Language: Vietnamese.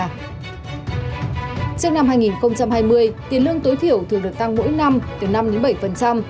trước năm hai nghìn hai mươi tiền lương tối thiểu thường được tăng mỗi năm từ năm đến bảy